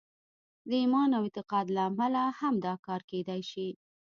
د ایمان او اعتقاد له امله هم دا کار کېدای شي